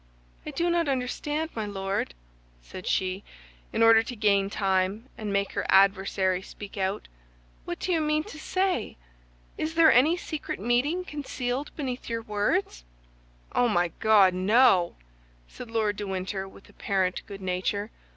"I do not understand, my Lord," said she, in order to gain time and make her adversary speak out. "What do you mean to say? Is there any secret meaning concealed beneath your words?" "Oh, my God, no!" said Lord de Winter, with apparent good nature.